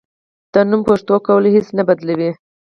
د نوم پښتو کول هیڅ نه بدلوي.